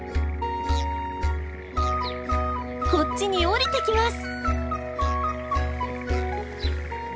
こっちに降りてきます！